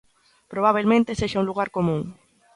Probabelmente sexa un lugar común.